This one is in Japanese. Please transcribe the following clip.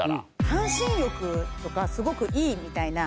半身浴とかすごくいいみたいな。